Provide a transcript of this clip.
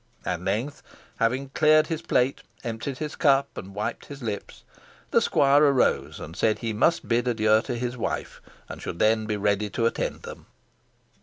At length, having cleared his plate, emptied his cup, and wiped his lips, the squire arose, and said he must bid adieu to his wife, and should then be ready to attend them.